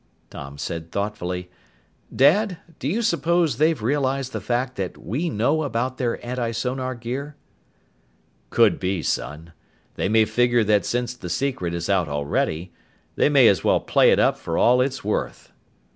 Tom said thoughtfully, "Dad, do you suppose they've realized the fact that we know about their antisonar gear?" "Could be, son. They may figure that since the secret is out already, they may as well play it up for all it's worth."